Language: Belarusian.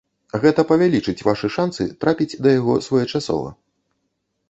Гэта павялічыць вашы шанцы трапіць да яго своечасова.